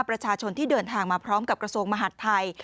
ประชาชนที่เดินทางมาพร้อมกับกระทรวงมหาดไทย